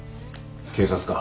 警察か？